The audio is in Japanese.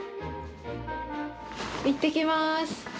行ってきます。